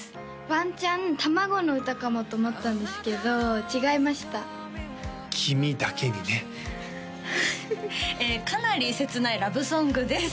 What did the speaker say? ワンチャン卵の歌かもと思ったんですけど違いました「きみ」だけにねかなり切ないラブソングです